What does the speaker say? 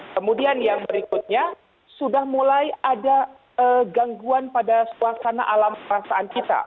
kemudian yang berikutnya sudah mulai ada gangguan pada suasana alam perasaan kita